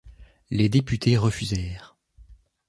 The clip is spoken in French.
Les députés refusèrent.